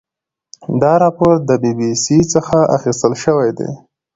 دا راپور د بي بي سي څخه اخیستل شوی دی.